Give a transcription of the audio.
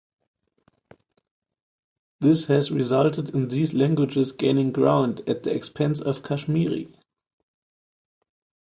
This has resulted in these languages gaining ground at the expense of Kashmiri.